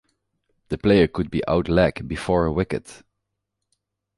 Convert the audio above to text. The player could be out leg before wicket.